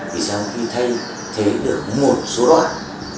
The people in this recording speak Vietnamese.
vì sau khi thay thế được một số đoạn